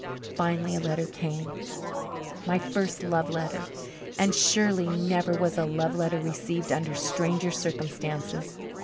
Finally a letter came my first love letter, and surely never was a love letter received under stranger circumstances.